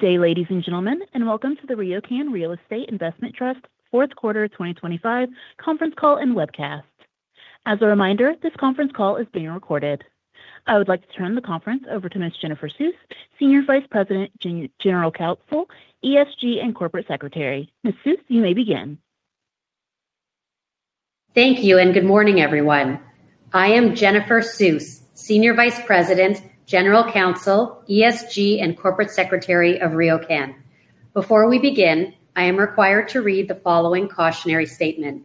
Good day, ladies and gentlemen, and welcome to the RioCan Real Estate Investment Trust fourth quarter of 2025 conference call and webcast. As a reminder, this conference call is being recorded. I would like to turn the conference over to Ms. Jennifer Suess, Senior Vice President, General Counsel, ESG, and Corporate Secretary. Ms. Suess, you may begin. Thank you, and good morning, everyone. I am Jennifer Suess, Senior Vice President, General Counsel, ESG, and Corporate Secretary of RioCan. Before we begin, I am required to read the following cautionary statement.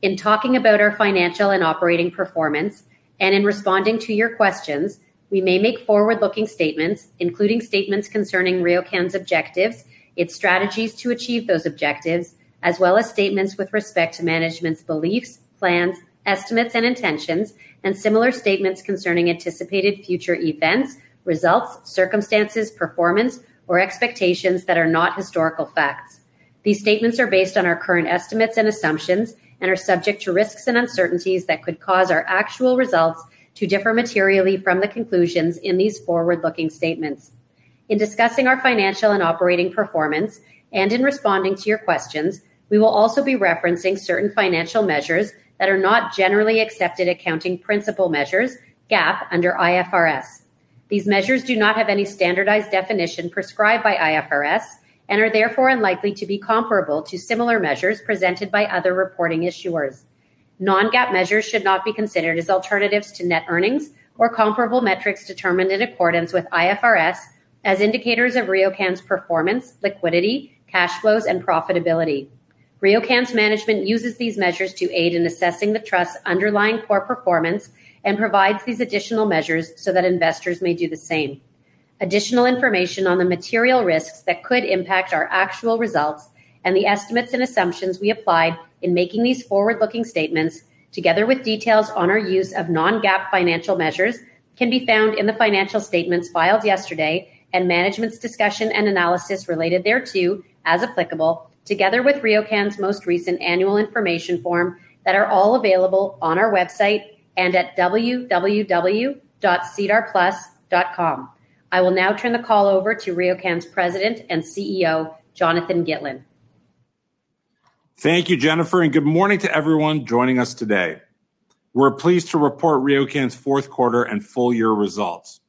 In talking about our financial and operating performance, and in responding to your questions, we may make forward-looking statements, including statements concerning RioCan's objectives, its strategies to achieve those objectives, as well as statements with respect to management's beliefs, plans, estimates, and intentions, and similar statements concerning anticipated future events, results, circumstances, performance, or expectations that are not historical facts. These statements are based on our current estimates and assumptions and are subject to risks and uncertainties that could cause our actual results to differ materially from the conclusions in these forward-looking statements. In discussing our financial and operating performance and in responding to your questions, we will also be referencing certain financial measures that are not generally accepted accounting principles measures, GAAP under IFRS. These measures do not have any standardized definition prescribed by IFRS and are therefore unlikely to be comparable to similar measures presented by other reporting issuers. Non-GAAP measures should not be considered as alternatives to net earnings or comparable metrics determined in accordance with IFRS as indicators of RioCan's performance, liquidity, cash flows, and profitability. RioCan's management uses these measures to aid in assessing the trust's underlying core performance and provides these additional measures so that investors may do the same. Additional information on the material risks that could impact our actual results and the estimates and assumptions we applied in making these forward-looking statements, together with details on our use of non-GAAP financial measures, can be found in the financial statements filed yesterday and management's discussion and analysis related thereto, as applicable, together with RioCan's most recent annual information form, that are all available on our website and at www.sedarplus.com. I will now turn the call over to RioCan's President and CEO, Jonathan Gitlin. Thank you, Jennifer, and good morning to everyone joining us today. We're pleased to report RioCan's fourth quarter and full year results.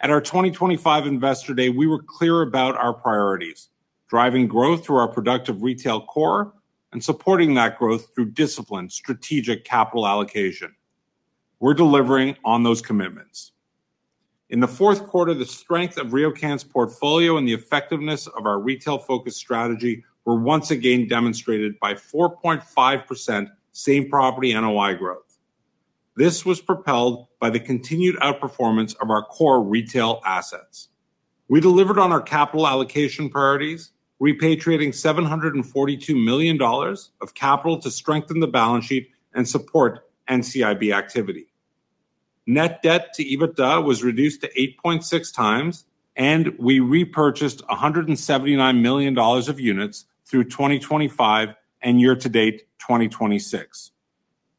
At our 2025 Investor Day, we were clear about our priorities: driving growth through our productive retail core and supporting that growth through disciplined strategic capital allocation. We're delivering on those commitments. In the fourth quarter, the strength of RioCan's portfolio and the effectiveness of our retail-focused strategy were once again demonstrated by 4.5% Same Property NOI growth. This was propelled by the continued outperformance of our core retail assets. We delivered on our capital allocation priorities, repatriating 742 million dollars of capital to strengthen the balance sheet and support NCIB activity. Net debt to EBITDA was reduced to 8.6x, and we repurchased 179 million dollars of units through 2025 and year to date, 2026.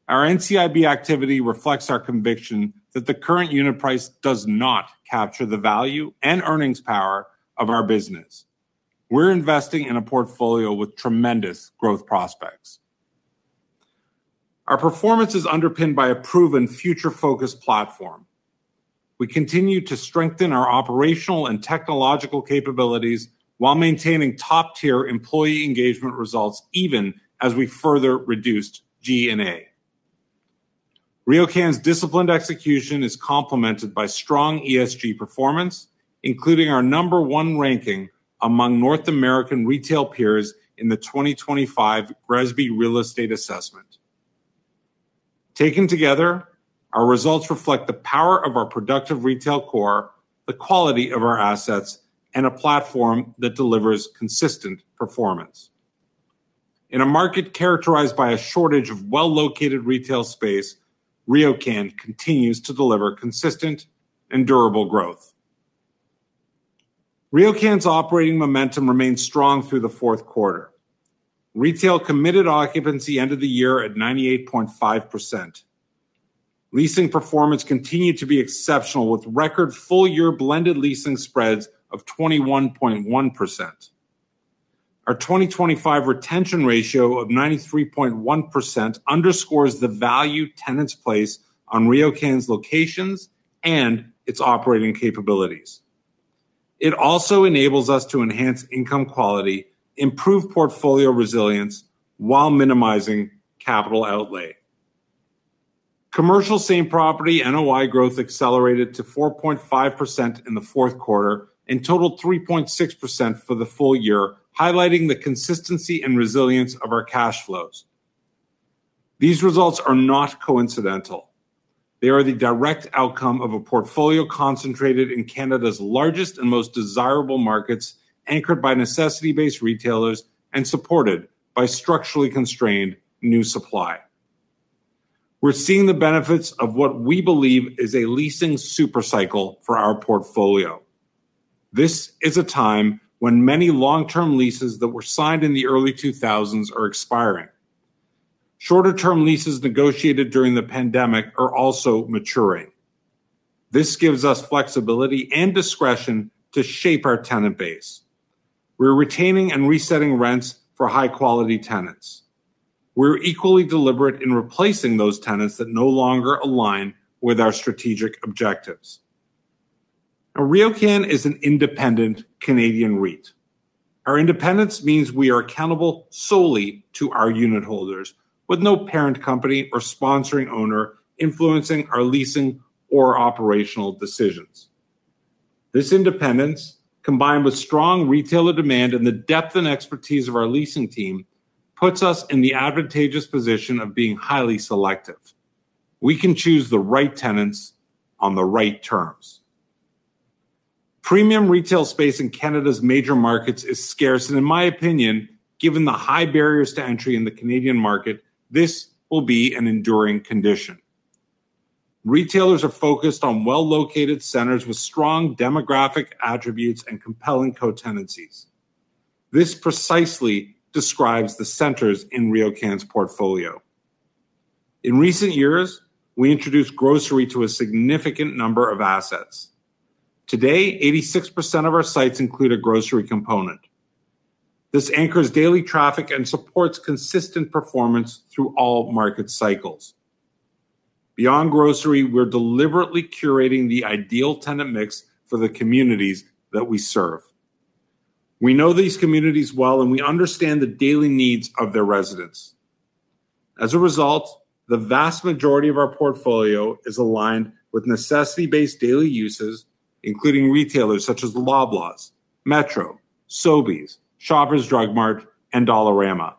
Our NCIB activity reflects our conviction that the current unit price does not capture the value and earnings power of our business. We're investing in a portfolio with tremendous growth prospects. Our performance is underpinned by a proven future-focused platform. We continue to strengthen our operational and technological capabilities while maintaining top-tier employee engagement results, even as we further reduced G&A. RioCan's disciplined execution is complemented by strong ESG performance, including our number one ranking among North American retail peers in the 2025 GRESB Real Estate Assessment. Taken together, our results reflect the power of our productive retail core, the quality of our assets, and a platform that delivers consistent performance. In a market characterized by a shortage of well-located retail space, RioCan continues to deliver consistent and durable growth. RioCan's operating momentum remained strong through the fourth quarter. Retail committed occupancy ended the year at 98.5%. Leasing performance continued to be exceptional, with record full-year blended leasing spreads of 21.1%. Our 2025 retention ratio of 93.1% underscores the value tenants place on RioCan's locations and its operating capabilities. It also enables us to enhance income quality, improve portfolio resilience while minimizing capital outlay. Commercial Same Property NOI growth accelerated to 4.5% in the fourth quarter and totaled 3.6% for the full year, highlighting the consistency and resilience of our cash flows. These results are not coincidental. They are the direct outcome of a portfolio concentrated in Canada's largest and most desirable markets, anchored by necessity-based retailers and supported by structurally constrained new supply. We're seeing the benefits of what we believe is a leasing super cycle for our portfolio. This is a time when many long-term leases that were signed in the early 2000s are expiring. Shorter-term leases negotiated during the pandemic are also maturing. This gives us flexibility and discretion to shape our tenant base. We're retaining and resetting rents for high-quality tenants. We're equally deliberate in replacing those tenants that no longer align with our strategic objectives. Now, RioCan is an independent Canadian REIT. Our independence means we are accountable solely to our unitholders, with no parent company or sponsoring owner influencing our leasing or operational decisions. This independence, combined with strong retailer demand and the depth and expertise of our leasing team, puts us in the advantageous position of being highly selective. We can choose the right tenants on the right terms. Premium retail space in Canada's major markets is scarce, and in my opinion, given the high barriers to entry in the Canadian market, this will be an enduring condition. Retailers are focused on well-located centers with strong demographic attributes and compelling co-tenancies. This precisely describes the centers in RioCan's portfolio. In recent years, we introduced grocery to a significant number of assets. Today, 86% of our sites include a grocery component. This anchors daily traffic and supports consistent performance through all market cycles. Beyond grocery, we're deliberately curating the ideal tenant mix for the communities that we serve. We know these communities well, and we understand the daily needs of their residents. As a result, the vast majority of our portfolio is aligned with necessity-based daily uses, including retailers such as Loblaws, Metro, Sobeys, Shoppers Drug Mart, and Dollarama.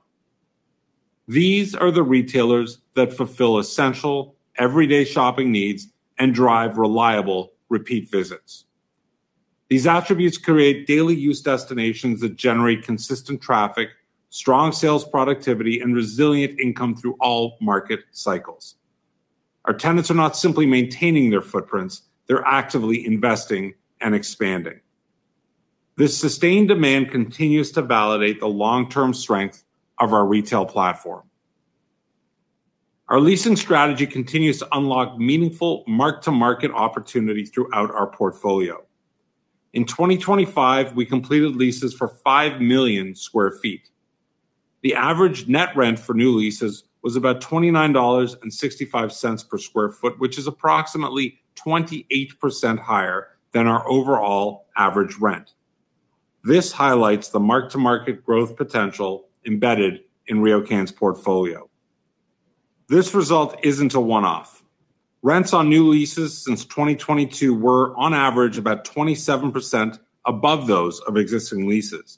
These are the retailers that fulfill essential, everyday shopping needs and drive reliable repeat visits. These attributes create daily use destinations that generate consistent traffic, strong sales productivity, and resilient income through all market cycles. Our tenants are not simply maintaining their footprints; they're actively investing and expanding. This sustained demand continues to validate the long-term strength of our retail platform. Our leasing strategy continues to unlock meaningful mark-to-market opportunities throughout our portfolio. In 2025, we completed leases for 5 million sq ft. The average net rent for new leases was about 29.65 dollars per sq ft, which is approximately 28% higher than our overall average rent. This highlights the mark-to-market growth potential embedded in RioCan's portfolio. This result isn't a one-off. Rents on new leases since 2022 were, on average, about 27% above those of existing leases.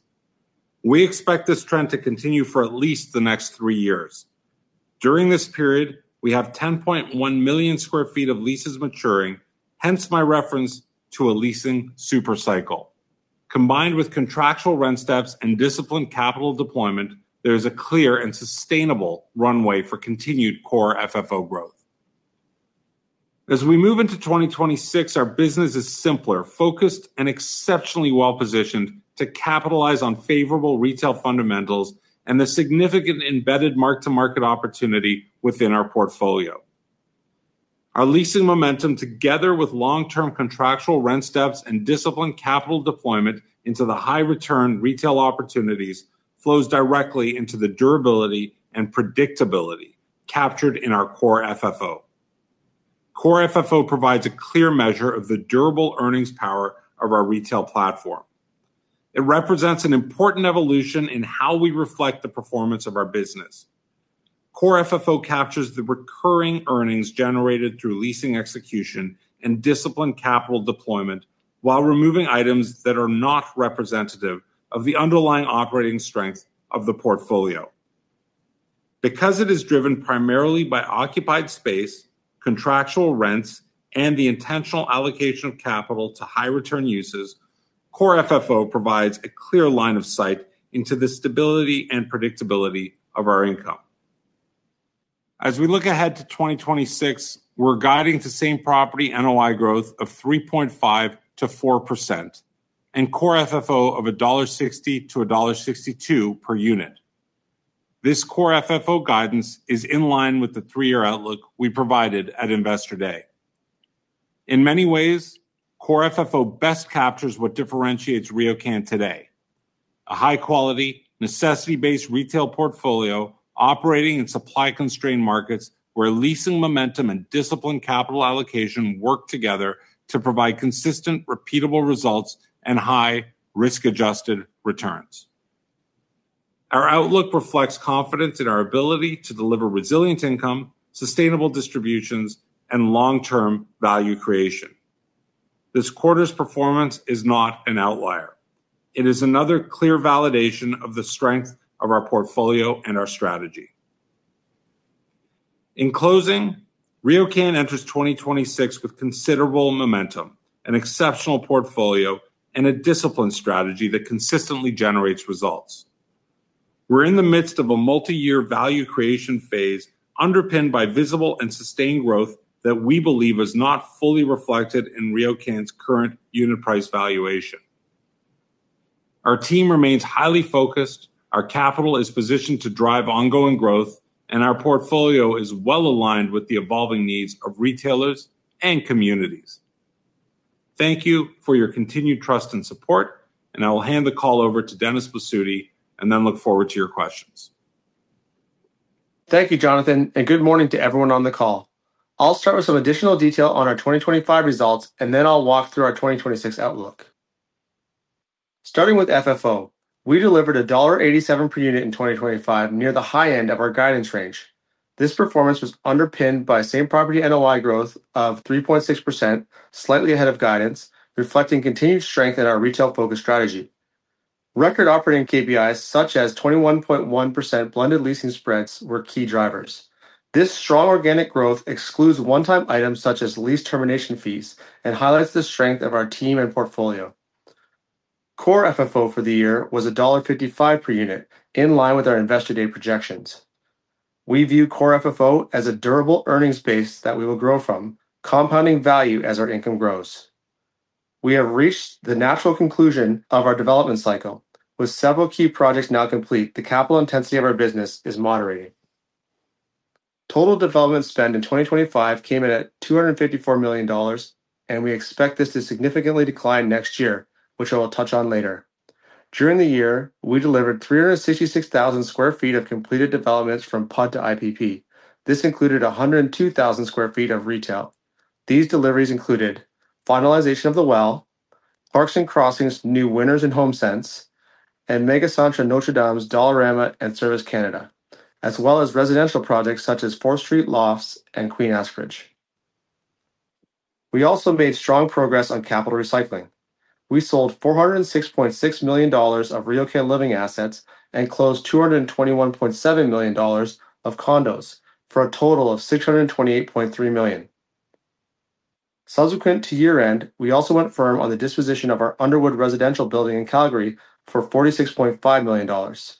We expect this trend to continue for at least the next three years. During this period, we have 10.1 million sq ft of leases maturing, hence my reference to a leasing super cycle. Combined with contractual rent steps and disciplined capital deployment, there is a clear and sustainable runway for continued Core FFO growth. As we move into 2026, our business is simpler, focused, and exceptionally well-positioned to capitalize on favorable retail fundamentals and the significant embedded mark-to-market opportunity within our portfolio. Our leasing momentum, together with long-term contractual rent steps and disciplined capital deployment into the high-return retail opportunities, flows directly into the durability and predictability captured in our Core FFO. Core FFO provides a clear measure of the durable earnings power of our retail platform. It represents an important evolution in how we reflect the performance of our business. Core FFO captures the recurring earnings generated through leasing execution and disciplined capital deployment while removing items that are not representative of the underlying operating strength of the portfolio. Because it is driven primarily by occupied space, contractual rents, and the intentional allocation of capital to high-return uses, Core FFO provides a clear line of sight into the stability and predictability of our income. As we look ahead to 2026, we're guiding to Same-Property NOI growth of 3.5%-4% and Core FFO of 1.60-1.62 dollar per unit. This Core FFO guidance is in line with the three-year outlook we provided at Investor Day. In many ways, Core FFO best captures what differentiates RioCan today: a high-quality, necessity-based retail portfolio operating in supply-constrained markets, where leasing momentum and disciplined capital allocation work together to provide consistent, repeatable results and high risk-adjusted returns. Our outlook reflects confidence in our ability to deliver resilient income, sustainable distributions, and long-term value creation. This quarter's performance is not an outlier. It is another clear validation of the strength of our portfolio and our strategy. In closing, RioCan enters 2026 with considerable momentum, an exceptional portfolio, and a disciplined strategy that consistently generates results. We're in the midst of a multi-year value creation phase, underpinned by visible and sustained growth that we believe is not fully reflected in RioCan's current unit price valuation. Our team remains highly focused, our capital is positioned to drive ongoing growth, and our portfolio is well aligned with the evolving needs of retailers and communities. Thank you for your continued trust and support, and I will hand the call over to Dennis Blasutti and then look forward to your questions. Thank you, Jonathan, and good morning to everyone on the call. I'll start with some additional detail on our 2025 results, and then I'll walk through our 2026 outlook. Starting with FFO, we delivered dollar 1.87 per unit in 2025, near the high end of our guidance range. This performance was underpinned by same-property NOI growth of 3.6%, slightly ahead of guidance, reflecting continued strength in our retail-focused strategy. Record operating KPIs, such as 21.1% blended leasing spreads, were key drivers. This strong organic growth excludes one-time items, such as lease termination fees, and highlights the strength of our team and portfolio. Core FFO for the year was dollar 1.55 per unit, in line with our Investor Day projections. We view Core FFO as a durable earnings base that we will grow from, compounding value as our income grows. We have reached the natural conclusion of our development cycle. With several key projects now complete, the capital intensity of our business is moderating. Total development spend in 2025 came in at 254 million dollars, and we expect this to significantly decline next year, which I will touch on later. During the year, we delivered 366,000 sq ft of completed developments from PUD to IPP. This included 102,000 sq ft of retail. These deliveries included finalization of The Well, Clarkson Crossings, new Winners and HomeSense, and Mega Centre Notre Dame's Dollarama and Service Canada, as well as residential projects such as Fourth Street Lofts and Queen & Ashbridge. We also made strong progress on capital recycling. We sold 406.6 million dollars of RioCan Living assets and closed 221.7 million dollars of condos, for a total of 628.3 million. Subsequent to year-end, we also went firm on the disposition of our Underwood residential building in Calgary for 46.5 million dollars.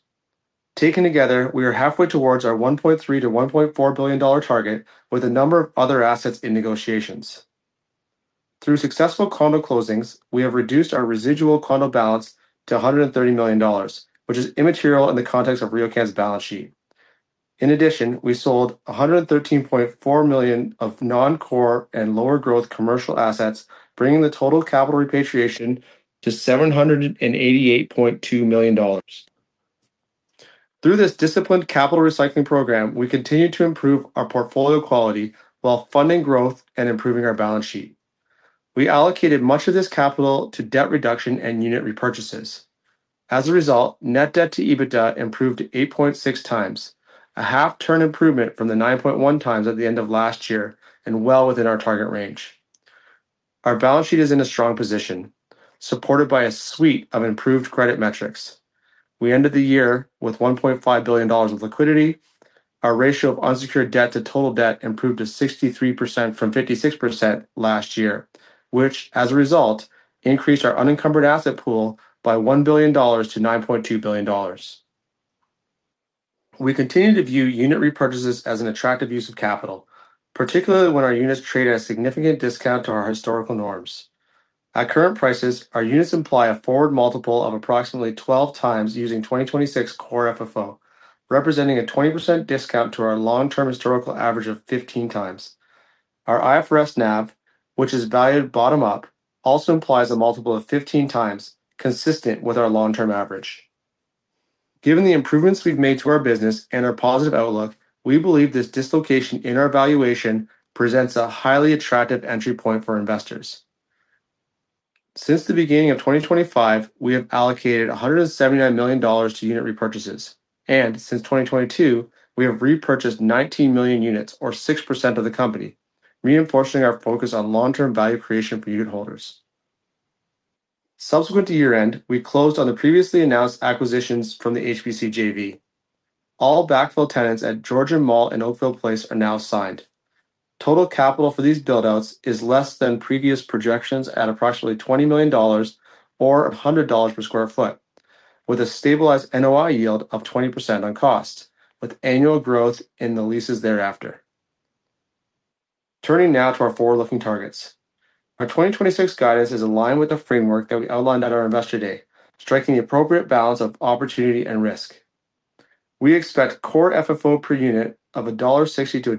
Taken together, we are halfway towards our 1.3 billion-1.4 billion dollar target, with a number of other assets in negotiations. Through successful condo closings, we have reduced our residual condo balance to 130 million dollars, which is immaterial in the context of RioCan's balance sheet. In addition, we sold 113.4 million of non-core and lower-growth commercial assets, bringing the total capital repatriation to 788.2 million dollars. Through this disciplined capital recycling program, we continue to improve our portfolio quality while funding growth and improving our balance sheet. We allocated much of this capital to debt reduction and unit repurchases. As a result, net debt to EBITDA improved 8.6x, a half-turn improvement from the 9.1 times at the end of last year and well within our target range. Our balance sheet is in a strong position, supported by a suite of improved credit metrics. We ended the year with 1.5 billion dollars of liquidity. Our ratio of unsecured debt to total debt improved to 63% from 56% last year, which, as a result, increased our unencumbered asset pool by 1 billion dollars to 9.2 billion dollars. We continue to view unit repurchases as an attractive use of capital, particularly when our units trade at a significant discount to our historical norms. At current prices, our units imply a forward multiple of approximately 12x, using 2026 Core FFO, representing a 20% discount to our long-term historical average of 15x. Our IFRS NAV, which is valued bottom-up, also implies a multiple of 15x, consistent with our long-term average. Given the improvements we've made to our business and our positive outlook, we believe this dislocation in our valuation presents a highly attractive entry point for investors. Since the beginning of 2025, we have allocated 179 million dollars to unit repurchases, and since 2022, we have repurchased 19 million units or 6% of the company, reinforcing our focus on long-term value creation for unitholders. Subsequent to year-end, we closed on the previously announced acquisitions from the HBC JV. All backfill tenants at Georgian Mall and Oakville Place are now signed. Total capital for these build-outs is less than previous projections at approximately 20 million dollars or 100 dollars per sq ft, with a stabilized NOI yield of 20% on costs, with annual growth in the leases thereafter. Turning now to our forward-looking targets. Our 2026 guidance is aligned with the framework that we outlined at our Investor Day, striking the appropriate balance of opportunity and risk. We expectCore FFO per unit of 1.60-1.62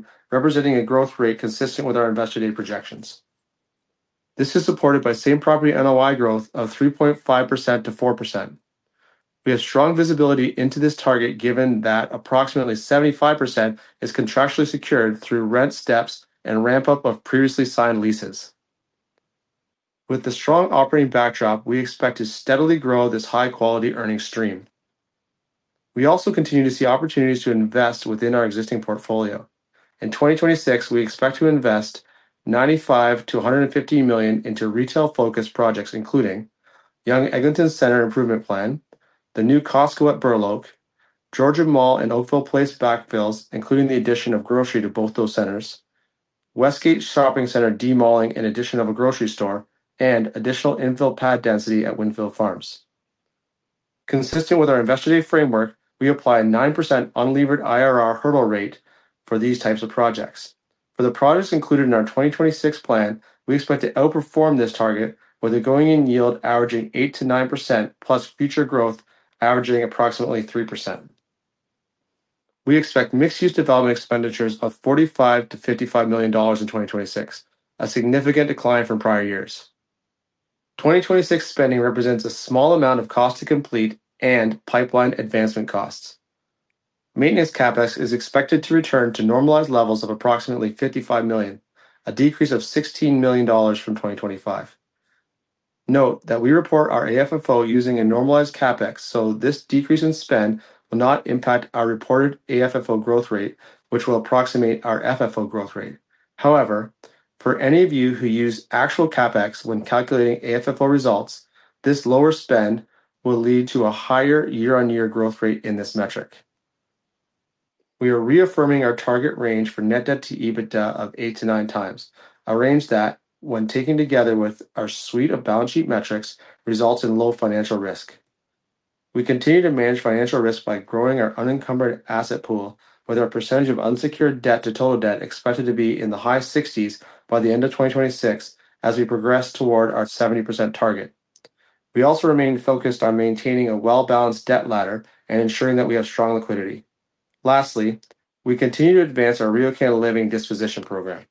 dollar, representing a growth rate consistent with our Investor Day projections. This is supported by same-property NOI growth of 3.5%-4%. We have strong visibility into this target, given that approximately 75% is contractually secured through rent steps and ramp-up of previously signed leases. With the strong operating backdrop, we expect to steadily grow this high-quality earning stream. We also continue to see opportunities to invest within our existing portfolio. In 2026, we expect to invest 95 million-150 million into retail-focused projects, including Yonge Eglinton Centre Improvement Plan, the new Costco at Burloak, Georgian Mall, and Oakville Place backfills, including the addition of grocery to both those centers, Westgate Shopping Centre de-malling, in addition of a grocery store, and additional infill pad density at Windfields Farm. Consistent with our Investor Day framework, we apply a 9% unlevered IRR hurdle rate for these types of projects. For the projects included in our 2026 plan, we expect to outperform this target with a going-in yield averaging 8%-9%, plus future growth averaging approximately 3%. We expect mixed-use development expenditures of 45 million-55 million dollars in 2026, a significant decline from prior years. 2026 spending represents a small amount of cost to complete and pipeline advancement costs. Maintenance CapEx is expected to return to normalized levels of approximately 55 million, a decrease of 16 million dollars from 2025. Note that we report our AFFO using a normalized CapEx, so this decrease in spend will not impact our reported AFFO growth rate, which will approximate our FFO growth rate. However, for any of you who use actual CapEx when calculating AFFO results, this lower spend will lead to a higher year-on-year growth rate in this metric. We are reaffirming our target range for net debt to EBITDA of 8x-9x, a range that, when taken together with our suite of balance sheet metrics, results in low financial risk. We continue to manage financial risk by growing our unencumbered asset pool, with our percentage of unsecured debt to total debt expected to be in the high 60s by the end of 2026 as we progress toward our 70% target. We also remain focused on maintaining a well-balanced debt ladder and ensuring that we have strong liquidity. Lastly, we continue to advance our RioCan Living disposition program.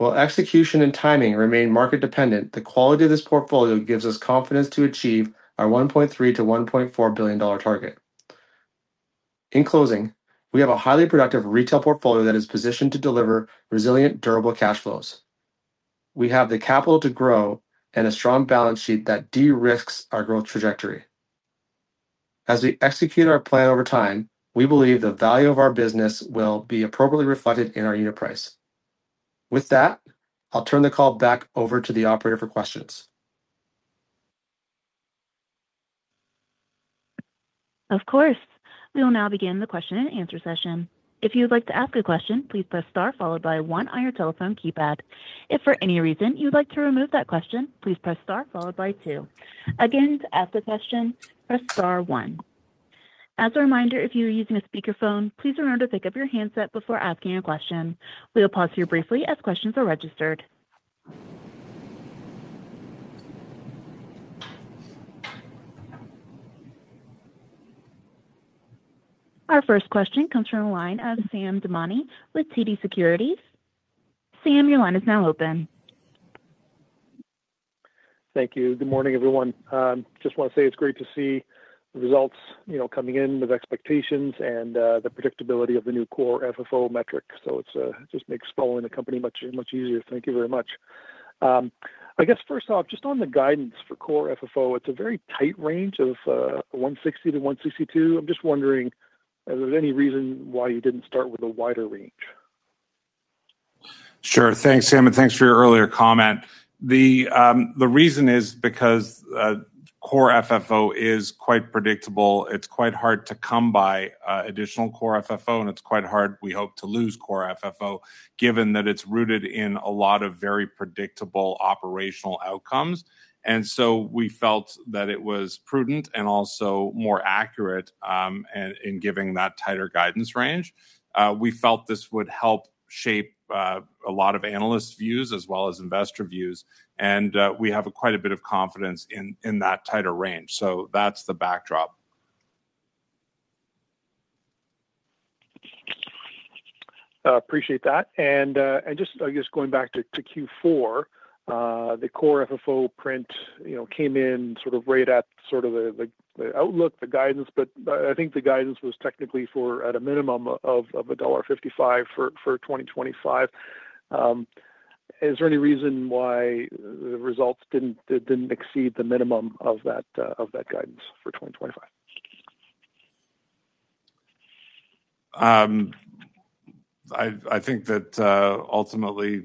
While execution and timing remain market dependent, the quality of this portfolio gives us confidence to achieve our 1.3 billion-1.4 billion dollar target. In closing, we have a highly productive retail portfolio that is positioned to deliver resilient, durable cash flows. We have the capital to grow and a strong balance sheet that de-risks our growth trajectory. As we execute our plan over time, we believe the value of our business will be appropriately reflected in our unit price. With that, I'll turn the call back over to the operator for questions. Of course. We will now begin the question and answer session. If you would like to ask a question, please press star followed by one on your telephone keypad. If for any reason you'd like to remove that question, please press star followed by two. Again, to ask a question, press star one. As a reminder, if you are using a speakerphone, please remember to pick up your handset before asking a question. We'll pause here briefly as questions are registered. Our first question comes from the line of Sam Damiani with TD Securities. Sam, your line is now open. Thank you. Good morning, everyone. Just want to say it's great to see the results, you know, coming in with expectations and, the predictability of the new Core FFO metric. So it's, just makes following the company much, much easier. Thank you very much. I guess first off, just on the guidance for Core FFO, it's a very tight range of 1.60-1.62. I'm just wondering, is there any reason why you didn't start with a wider range? Sure. Thanks, Sam, and thanks for your earlier comment. The reason is because Core FFO is quite predictable. It's quite hard to come by additional Core FFO, and it's quite hard, we hope, to lose Core FFO, given that it's rooted in a lot of very predictable operational outcomes. So we felt that it was prudent and also more accurate, and in giving that tighter guidance range. We felt this would help shape a lot of analyst views as well as investor views, and we have quite a bit of confidence in that tighter range. So that's the backdrop. Appreciate that. And, and just, I guess, going back to Q4, the Core FFO print, you know, came in sort of right at sort of the outlook, the guidance. But, but I think the guidance was technically for at a minimum of dollar 1.55 for 2025. Is there any reason why the results didn't, didn't exceed the minimum of that, of that guidance for 2025? I think that ultimately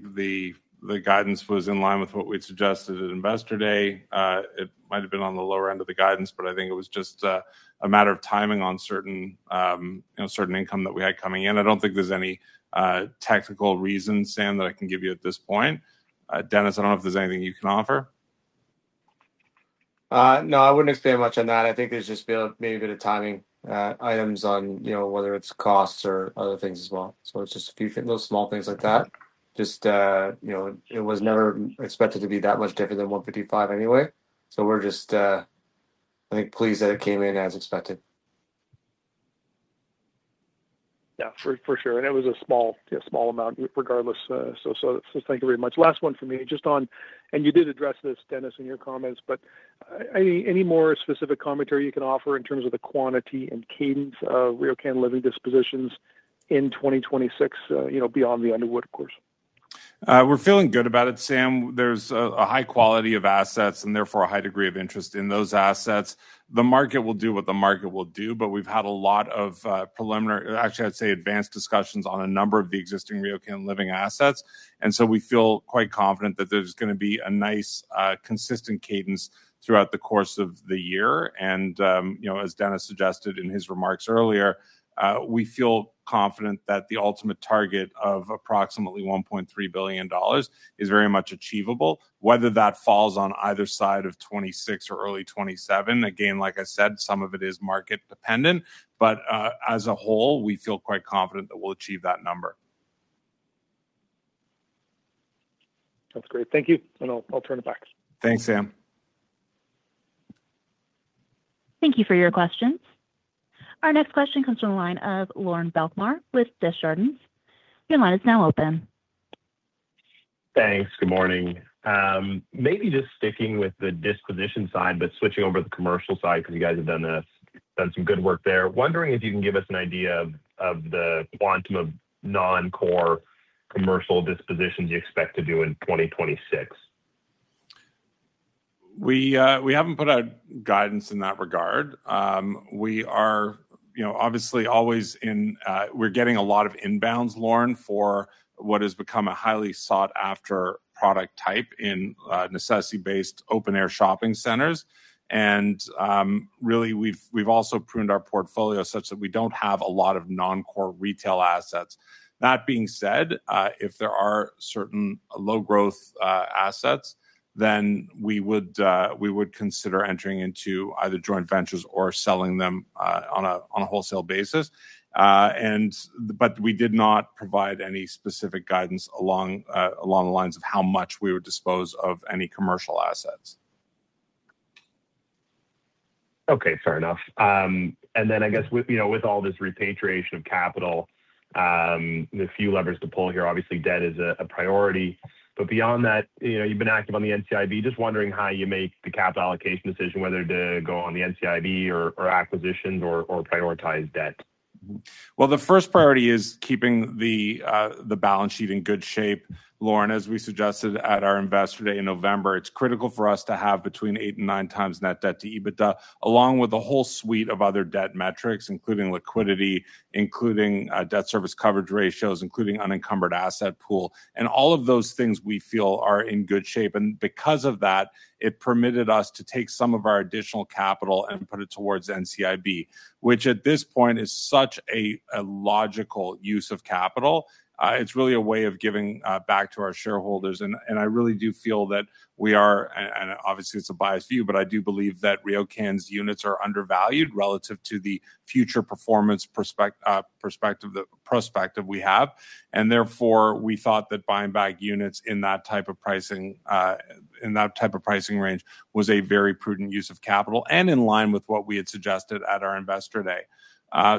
the guidance was in line with what we'd suggested at Investor Day. It might have been on the lower end of the guidance, but I think it was just a matter of timing on certain, you know, certain income that we had coming in. I don't think there's any technical reason, Sam, that I can give you at this point. Dennis, I don't know if there's anything you can offer. No, I wouldn't expand much on that. I think there's just be maybe a bit of timing items on, you know, whether it's costs or other things as well. So it's just a few little small things like that. Just, you know, it was never expected to be that much different than 1.55 anyway, so we're just, I think, pleased that it came in as expected. Yeah, for sure, and it was a small amount regardless. So thank you very much. Last one for me, just on and you did address this, Dennis, in your comments, but any more specific commentary you can offer in terms of the quantity and cadence of RioCan Living dispositions in 2026, you know, beyond the Underwood, of course? We're feeling good about it, Sam. There's a high quality of assets and therefore a high degree of interest in those assets. The market will do what the market will do, but we've had a lot of preliminary, actually, I'd say advanced discussions on a number of the existing RioCan Living assets, and so we feel quite confident that there's gonna be a nice consistent cadence throughout the course of the year. And, you know, as Dennis suggested in his remarks earlier, we feel confident that the ultimate target of approximately 1.3 billion dollars is very much achievable. Whether that falls on either side of 2026 or early 2027, again, like I said, some of it is market dependent. But, as a whole, we feel quite confident that we'll achieve that number. That's great. Thank you, and I'll turn it back. Thanks, Sam. Thank you for your questions. Our next question comes from the line of Lorne Kalmar with Desjardins. Your line is now open. Thanks. Good morning. Maybe just sticking with the disposition side, but switching over to the commercial side, because you guys have done this, done some good work there. Wondering if you can give us an idea of, of the quantum of non-core commercial dispositions you expect to do in 2026. We, we haven't put out guidance in that regard. We are, you know, obviously always in. We're getting a lot of inbounds, Lorne, for what has become a highly sought-after product type in, necessity-based open-air shopping centers. And, really, we've, we've also pruned our portfolio such that we don't have a lot of non-core retail assets. That being said, if there are certain low-growth, assets, then we would, we would consider entering into either joint ventures or selling them, on a, on a wholesale basis. But we did not provide any specific guidance along, along the lines of how much we would dispose of any commercial assets. Okay, fair enough. And then I guess with, you know, with all this repatriation of capital, the few levers to pull here, obviously, debt is a priority. But beyond that, you know, you've been active on the NCIB. Just wondering how you make the capital allocation decision, whether to go on the NCIB or acquisitions or prioritize debt. Well, the first priority is keeping the balance sheet in good shape, Lorne. As we suggested at our Investor Day in November, it's critical for us to have between 8x and 9x net debt to EBITDA, along with a whole suite of other debt metrics, including liquidity, including debt service coverage ratios, including unencumbered asset pool. All of those things we feel are in good shape. Because of that, it permitted us to take some of our additional capital and put it towards NCIB, which at this point is such a logical use of capital. It's really a way of giving back to our shareholders. I really do feel that we are, and obviously, it's a biased view, but I do believe that RioCan's units are undervalued relative to the future performance prospective we have. Therefore, we thought that buying back units in that type of pricing, in that type of pricing range was a very prudent use of capital and in line with what we had suggested at our Investor Day.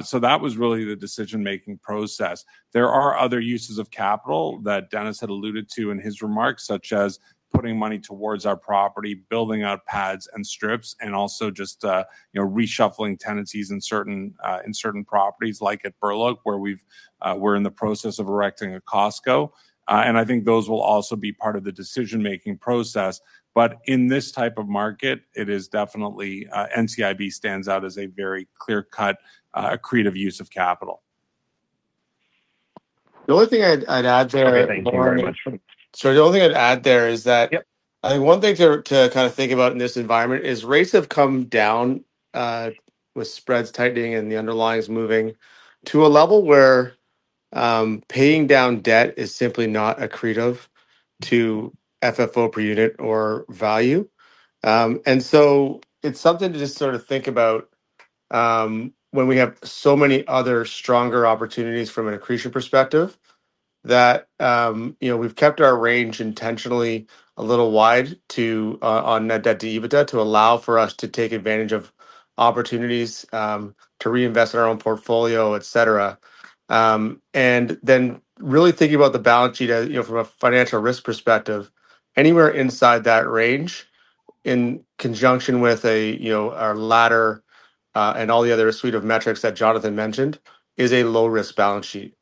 So that was really the decision-making process. There are other uses of capital that Dennis had alluded to in his remarks, such as putting money towards our property, building out pads and strips, and also just, you know, reshuffling tenancies in certain, in certain properties, like at Burloak, where we've, we're in the process of erecting a Costco. And I think those will also be part of the decision-making process. But in this type of market, it is definitely, NCIB stands out as a very clear-cut, creative use of capital. The only thing I'd add there, Lorne- Okay, thank you very much. The only thing I'd add there is that- Yep. I think one thing to kind of think about in this environment is rates have come down, with spreads tightening and the underlying is moving to a level where, paying down debt is simply not accretive to FFO per unit or value. And so it's something to just sort of think about, when we have so many other stronger opportunities from an accretion perspective, that, you know, we've kept our range intentionally a little wide to, on net debt to EBITDA to allow for us to take advantage of opportunities, to reinvest in our own portfolio, et cetera. And then really thinking about the balance sheet, as, you know, from a financial risk perspective, anywhere inside that range in conjunction with a, you know, our ladder, and all the other suite of metrics that Jonathan mentioned, is a low-risk balance sheet,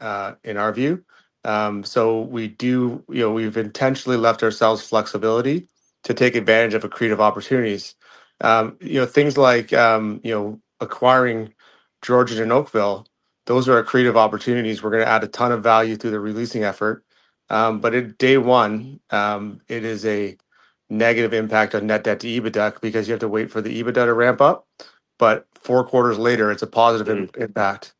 in our view. So we do. You know, we've intentionally left ourselves flexibility to take advantage of accretive opportunities. You know, things like, you know, acquiring Georgian Oakville, those are accretive opportunities. We're gonna add a ton of value through the re-leasing effort. But at day one, it is a negative impact on net debt to EBITDA because you have to wait for the EBITDA to ramp up, but four quarters later, it's a positive impact.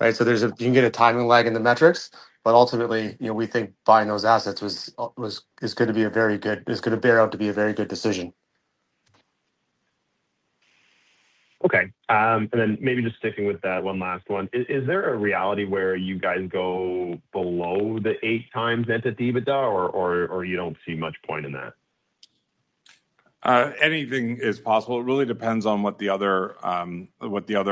Right? So there's a timing lag in the metrics, but ultimately, you know, we think buying those assets was, is gonna be a very good-is gonna bear out to be a very good decision. Okay, and then maybe just sticking with that, one last one. Is there a reality where you guys go below the 8x net debt to EBITDA or you don't see much point in that? Anything is possible. It really depends on what the other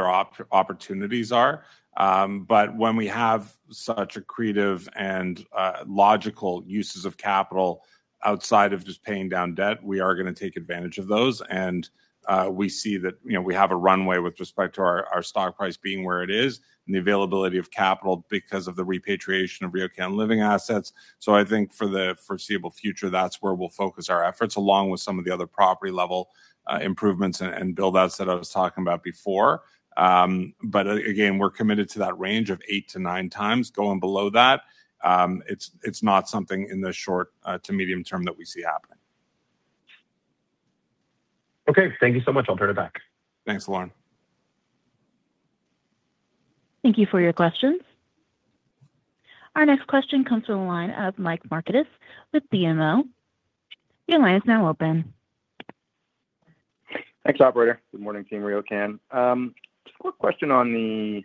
opportunities are. But when we have such accretive and logical uses of capital outside of just paying down debt, we are gonna take advantage of those. And we see that, you know, we have a runway with respect to our stock price being where it is and the availability of capital because of the repatriation of RioCan Living assets. So I think for the foreseeable future, that's where we'll focus our efforts, along with some of the other property-level improvements and build-outs that I was talking about before. But again, we're committed to that range of 8x-9x. Going below that, it's not something in the short to medium term that we see happening. Okay, thank you so much. I'll turn it back. Thanks, Lorne. Thank you for your questions. Our next question comes from the line of Mike Markidis with BMO. Your line is now open. Thanks, operator. Good morning, Team RioCan. Just a quick question on the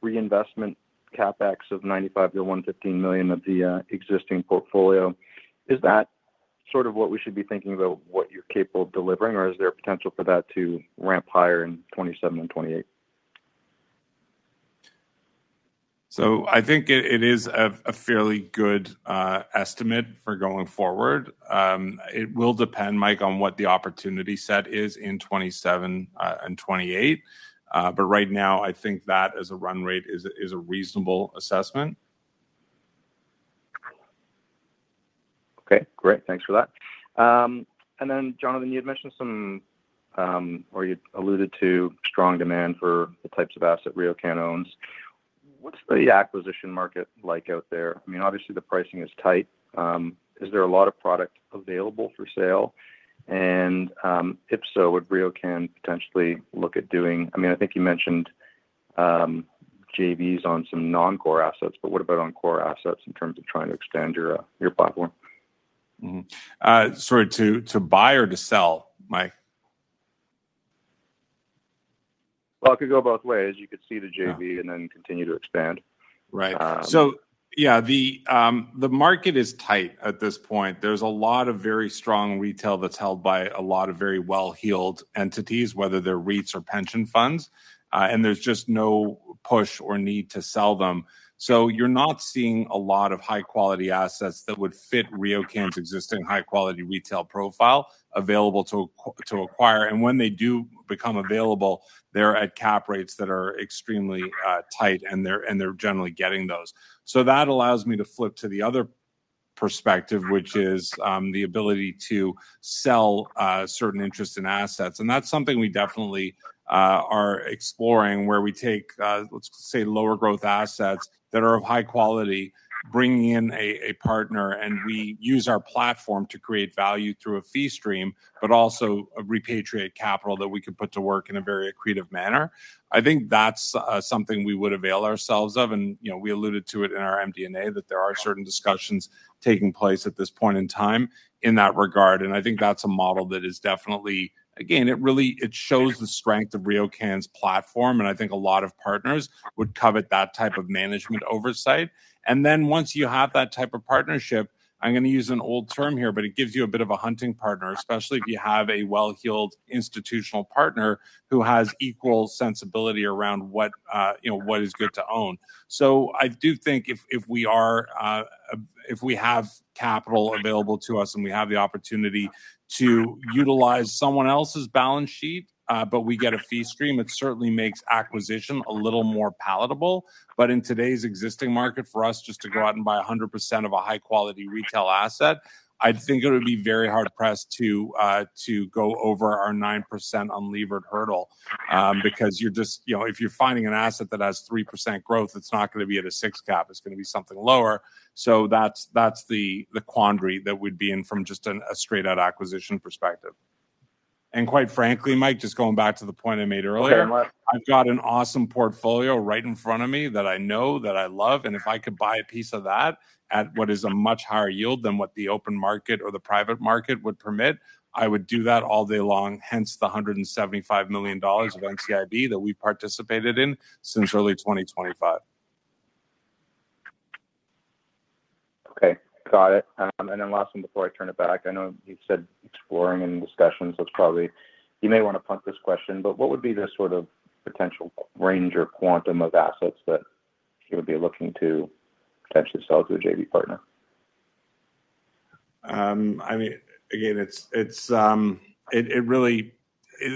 reinvestment CapEx of 95 million-115 million of the existing portfolio. Is that sort of what we should be thinking about what you're capable of delivering, or is there potential for that to ramp higher in 2027 and 2028? So I think it is a fairly good estimate for going forward. It will depend, Mike, on what the opportunity set is in 2027 and 2028. But right now, I think that as a run rate is a reasonable assessment. Okay, great. Thanks for that. And then, Jonathan, you had mentioned some, or you alluded to strong demand for the types of asset RioCan owns. What's the acquisition market like out there? I mean, obviously the pricing is tight. Is there a lot of product available for sale? And, if so, would RioCan potentially look at doing—I mean, I think you mentioned, JVs on some non-core assets, but what about on core assets in terms of trying to expand your platform? Mm-hmm. Sorry, to buy or to sell, Mike? Well, it could go both ways. You could see the JV- Yeah And then continue to expand. Right. Uh- So yeah, the market is tight at this point. There's a lot of very strong retail that's held by a lot of very well-heeled entities, whether they're REITs or pension funds, and there's just no push or need to sell them. So you're not seeing a lot of high-quality assets that would fit RioCan's existing high-quality retail profile available to acquire. And when they do become available, they're at cap rates that are extremely tight, and they're generally getting those. So that allows me to flip to the other perspective, which is the ability to sell certain interest in assets. That's something we definitely are exploring, where we take, let's say, lower growth assets that are of high quality, bringing in a partner, and we use our platform to create value through a fee stream, but also a repatriate capital that we could put to work in a very accretive manner. I think that's something we would avail ourselves of. And, you know, we alluded to it in our MD&A that there are certain discussions taking place at this point in time in that regard. And I think that's a model that is definitely... Again, it really, it shows the strength of RioCan's platform, and I think a lot of partners would covet that type of management oversight. And then, once you have that type of partnership, I'm going to use an old term here, but it gives you a bit of a hunting partner, especially if you have a well-heeled institutional partner who has equal sensibility around what, you know, what is good to own. So I do think if we have capital available to us and we have the opportunity to utilize someone else's balance sheet, but we get a fee stream, it certainly makes acquisition a little more palatable. But in today's existing market, for us just to go out and buy 100% of a high-quality retail asset, I think it would be very hard-pressed to go over our 9% unlevered hurdle. Because you're just... You know, if you're finding an asset that has 3% growth, it's not going to be at a 6 cap, it's going to be something lower. So that's the quandary that we'd be in from just a straight-out acquisition perspective. And quite frankly, Mike, just going back to the point I made earlier- Okay I've got an awesome portfolio right in front of me that I know, that I love, and if I could buy a piece of that at what is a much higher yield than what the open market or the private market would permit, I would do that all day long. Hence the 175 million dollars of NCIB that we participated in since early 2025. Okay, got it. And then last one before I turn it back. I know you said exploring and discussions, that's probably, you may want to punt this question, but what would be the sort of potential range or quantum of assets that you would be looking to potentially sell to a JV partner? I mean, again, it's really,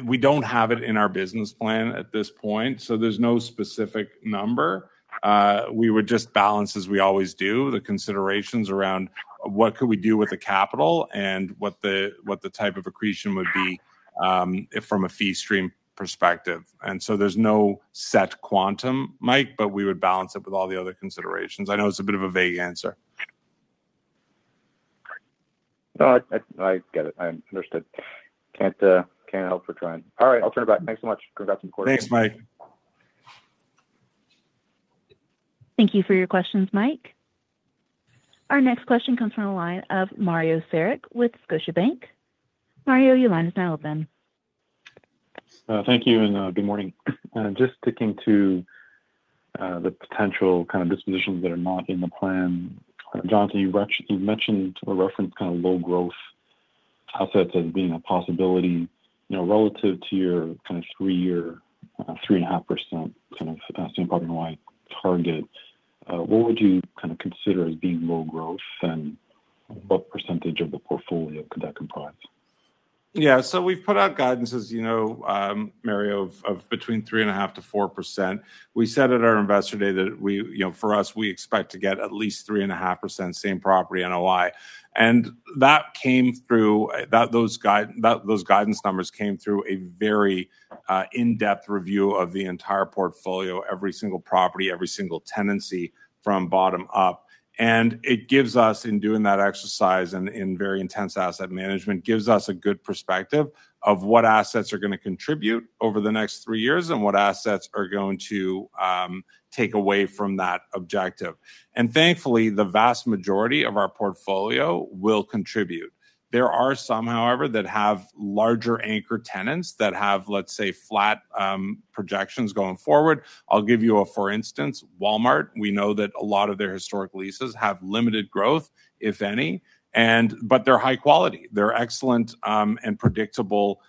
we don't have it in our business plan at this point, so there's no specific number. We would just balance, as we always do, the considerations around what could we do with the capital and what the type of accretion would be from a fee stream perspective. And so there's no set quantum, Mike, but we would balance it with all the other considerations. I know it's a bit of a vague answer. No, I get it. I understood. Can't help for trying. All right, I'll turn it back. Thanks so much. Good luck in the quarter. Thanks, Mike. Thank you for your questions, Mike. Our next question comes from the line of Mario Saric with Scotiabank. Mario, your line is now open. Thank you, and good morning. Just sticking to the potential kind of dispositions that are not in the plan. Jonathan, you mentioned to reference kind of low growth assets as being a possibility, you know, relative to your kind of three-year 3.5% same-property NOI target. What would you kind of consider as being low growth, and what percentage of the portfolio could that comprise? Yeah. So we've put out guidance, as you know, Mario, of between 3.5%-4%. We said at our Investor Day that for us, we expect to get at least 3.5% same-property NOI, and that came through, that those guidance numbers came through a very in-depth review of the entire portfolio, every single property, every single tenancy from bottom up. And it gives us, in doing that exercise and in very intense asset management, gives us a good perspective of what assets are going to contribute over the next three years and what assets are going to take away from that objective. And thankfully, the vast majority of our portfolio will contribute. There are some, however, that have larger anchor tenants that have, let's say, flat projections going forward. I'll give you, for instance, Walmart. We know that a lot of their historic leases have limited growth, if any, and but they're high quality. They're excellent and predictable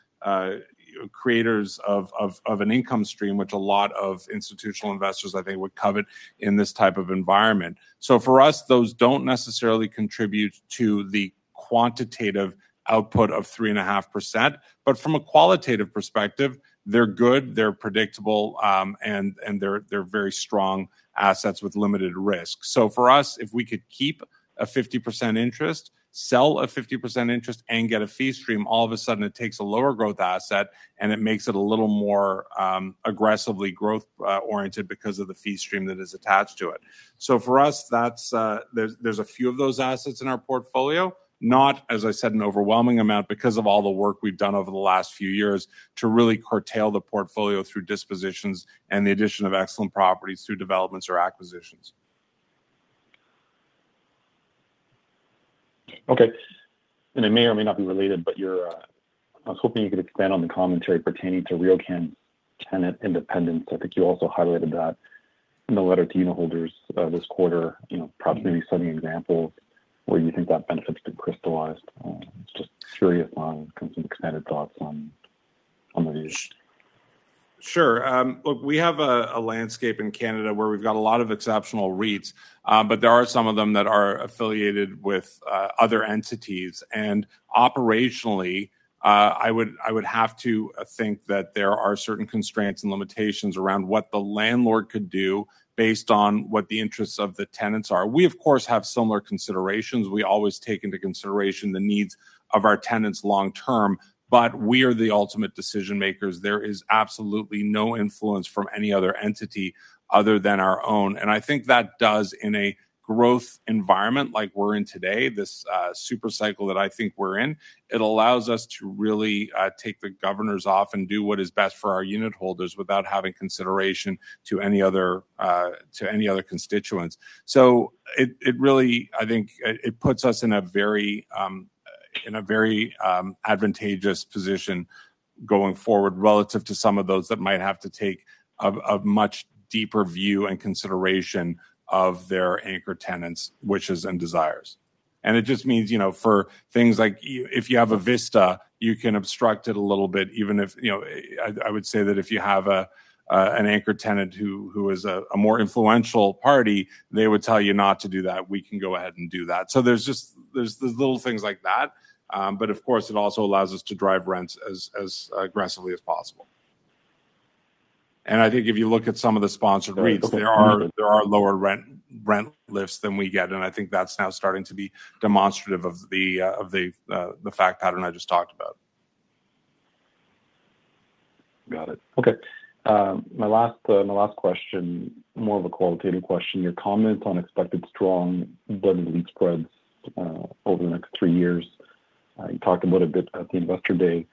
creators of an income stream, which a lot of institutional investors I think would covet in this type of environment. So for us, those don't necessarily contribute to the quantitative output of 3.5%, but from a qualitative perspective, they're good, they're predictable, and they're very strong assets with limited risk. So for us, if we could keep a 50% interest, sell a 50% interest, and get a fee stream, all of a sudden it takes a lower growth asset, and it makes it a little more aggressively growth oriented because of the fee stream that is attached to it. For us, that's, there’s a few of those assets in our portfolio, not, as I said, an overwhelming amount because of all the work we've done over the last few years to really curtail the portfolio through dispositions and the addition of excellent properties through developments or acquisitions. Okay, and it may or may not be related, but you're I was hoping you could expand on the commentary pertaining to RioCan tenant independence. I think you also highlighted that in the letter to unitholders this quarter. You know, perhaps maybe some examples where you think that benefit's been crystallized. Just curious on some expanded thoughts on these. Sure. Look, we have a landscape in Canada where we've got a lot of exceptional REITs, but there are some of them that are affiliated with other entities. Operationally, I would have to think that there are certain constraints and limitations around what the landlord could do based on what the interests of the tenants are. We, of course, have similar considerations. We always take into consideration the needs of our tenants long term, but we are the ultimate decision makers. There is absolutely no influence from any other entity other than our own, and I think that does in a growth environment like we're in today, this, super cycle that I think we're in, it allows us to really, take the governors off and do what is best for our unitholders without having consideration to any other, to any other constituents. So I think, it, it puts us in a very, in a very, advantageous position going forward, relative to some of those that might have to take a much deeper view and consideration of their anchor tenants' wishes and desires. And it just means, you know, for things like if you have a vista, you can obstruct it a little bit, even if, you know. I would say that if you have an anchor tenant who is a more influential party, they would tell you not to do that. We can go ahead and do that. So there's little things like that, but of course, it also allows us to drive rents as aggressively as possible. And I think if you look at some of the sponsored REITs- Right. Okay. There are lower rent lifts than we get, and I think that's now starting to be demonstrative of the fact pattern I just talked about. Got it. Okay. My last, my last question, more of a qualitative question: Your comment on expected strong blended lease spreads over the next three years, you talked about a bit at the investor day.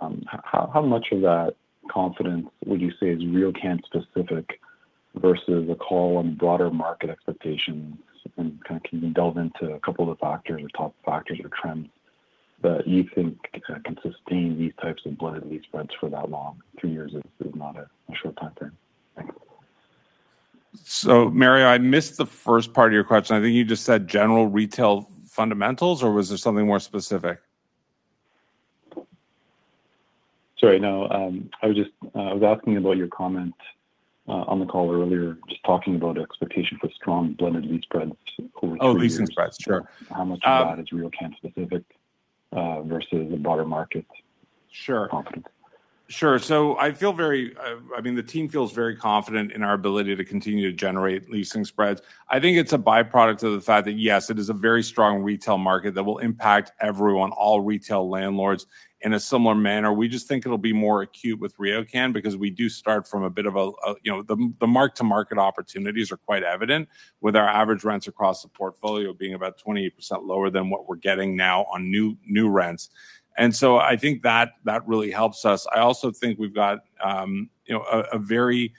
How, how much of that confidence would you say is RioCan specific versus a call on broader market expectations? And kind of, can you delve into a couple of the factors or top factors or trends that you think can, can sustain these types of blended lease spreads for that long? Three years is, is not a, a short time frame. Thanks. So Mario, I missed the first part of your question. I think you just said general retail fundamentals, or was there something more specific? Sorry, no. I was just, I was asking about your comment on the call earlier, just talking about expectation for strong blended lease spreads over the years. Oh, leasing spreads. Sure. How much of that is RioCan specific, versus the broader market- Sure Confidence? Sure. So I feel very, I mean, the team feels very confident in our ability to continue to generate leasing spreads. I think it's a byproduct of the fact that, yes, it is a very strong retail market that will impact everyone, all retail landlords, in a similar manner. We just think it'll be more acute with RioCan because we do start from a bit of a, you know the mark-to-market opportunities are quite evident, with our average rents across the portfolio being about 28% lower than what we're getting now on new rents, and so I think that really helps us. I also think we've got, you know, a very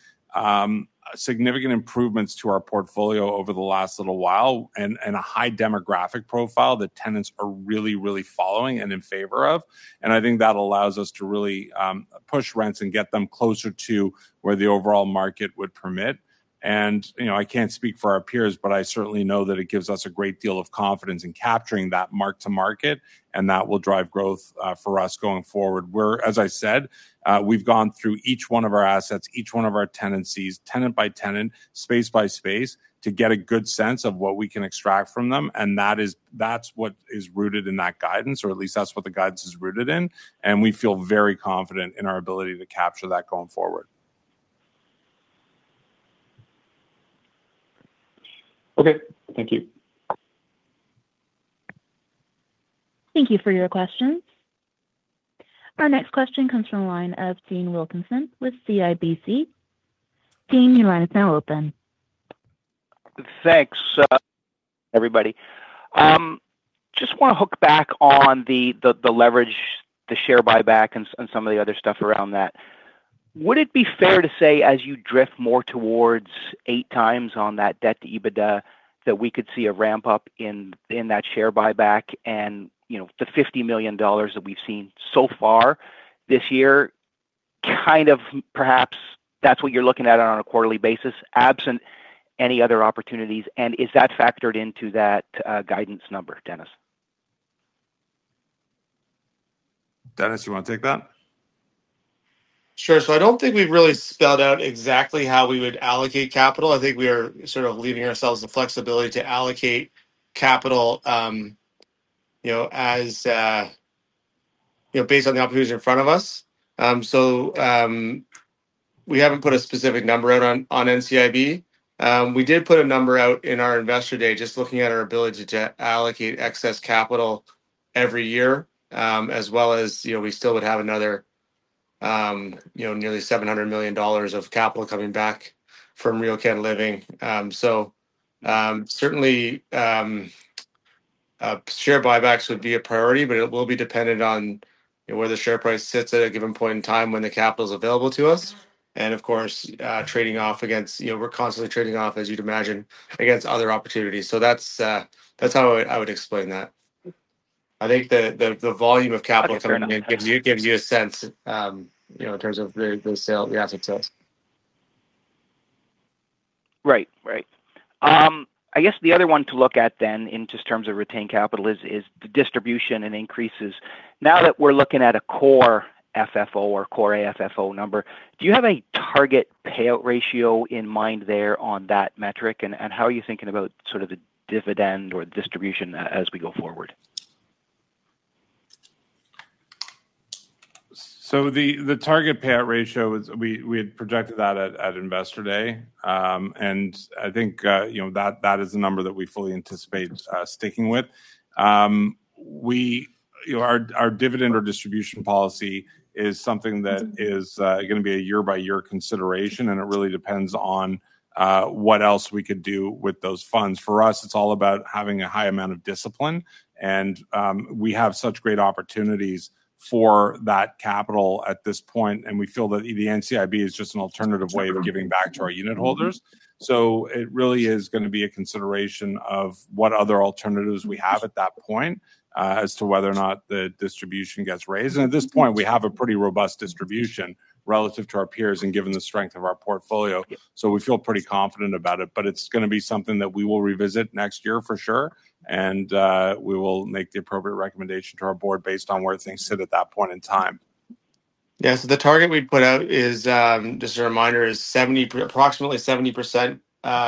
significant improvements to our portfolio over the last little while and a high demographic profile that tenants are really, really following and in favor of. I think that allows us to really push rents and get them closer to where the overall market would permit. You know, I can't speak for our peers, but I certainly know that it gives us a great deal of confidence in capturing that mark to market, and that will drive growth for us going forward. As I said, we've gone through each one of our assets, each one of our tenancies, tenant-by-tenant, space-by-space, to get a good sense of what we can extract from them, and that's what is rooted in that guidance, or at least that's what the guidance is rooted in, and we feel very confident in our ability to capture that going forward. Okay. Thank you. Thank you for your questions. Our next question comes from the line of Dean Wilkinson with CIBC. Dean, your line is now open. Thanks, everybody. Just want to hook back on the leverage, the share buyback, and some of the other stuff around that. Would it be fair to say, as you drift more towards 8x on that debt to EBITDA, that we could see a ramp-up in that share buyback and, you know, the 50 million dollars that we've seen so far this year, kind of perhaps that's what you're looking at on a quarterly basis, absent any other opportunities? And is that factored into that guidance number, Dennis? Dennis, you want to take that? Sure. So I don't think we've really spelled out exactly how we would allocate capital. I think we are sort of leaving ourselves the flexibility to allocate capital, you know, as, you know, based on the opportunities in front of us. So, we haven't put a specific number out on, on NCIB. We did put a number out in our Investor Day, just looking at our ability to allocate excess capital every year. As well as, you know, we still would have another, you know, nearly 700 million dollars of capital coming back from RioCan Living. So, certainly, share buybacks would be a priority, but it will be dependent on, you know, where the share price sits at a given point in time when the capital is available to us. And of course, trading off against... You know, we're constantly trading off, as you'd imagine, against other opportunities. So that's how I would explain that. I think the volume of capital coming in gives you a sense, you know, in terms of the sale, the asset sales. Right. Right. I guess the other one to look at then, in just terms of retained capital, is the distribution and increases. Now that we're looking at a Core FFO or Core AFFO number, do you have a target payout ratio in mind there on that metric? And how are you thinking about sort of the dividend or distribution as we go forward? So the target payout ratio is we had projected that at Investor Day. And I think, you know, that is a number that we fully anticipate sticking with. We, you know, our dividend or distribution policy is something that is going to be a year-by-year consideration, and it really depends on what else we could do with those funds. For us, it's all about having a high amount of discipline and we have such great opportunities for that capital at this point, and we feel that the NCIB is just an alternative way of giving back to our unitholders. So it really is going to be a consideration of what other alternatives we have at that point as to whether or not the distribution gets raised. At this point, we have a pretty robust distribution relative to our peers and given the strength of our portfolio. We feel pretty confident about it, but it's going to be something that we will revisit next year for sure. We will make the appropriate recommendation to our board based on where things sit at that point in time. Yeah. So the target we put out is, just a reminder, 70%, approximately 70%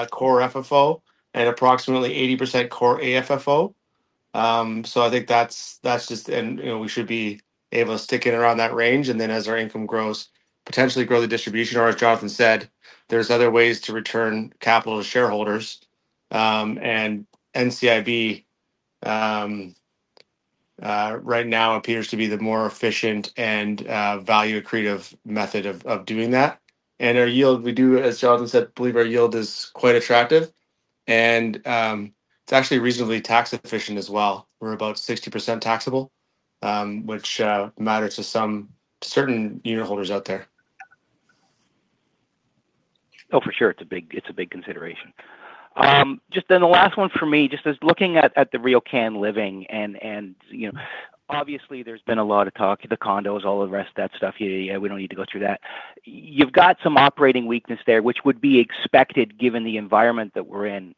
Core FFO and approximately 80% Core AFFO. So I think that we should be able to stick it around that range, and then as our income grows, potentially grow the distribution. Or as Jonathan said, there's other ways to return capital to shareholders. And NCIB, right now appears to be the more efficient and value accretive method of doing that. And our yield, we do, as Jonathan said, believe our yield is quite attractive. And it's actually reasonably tax efficient as well. We're about 60% taxable, which matters to some certain unitholders out there. Oh, for sure, it's a big, it's a big consideration. Just then the last one for me, just as looking at the RioCan Living and, you know, obviously there's been a lot of talk, the condos, all the rest of that stuff. Yeah, yeah, we don't need to go through that. You've got some operating weakness there, which would be expected given the environment that we're in.